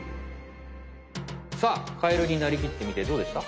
さあカエルになりきってみてどうでした？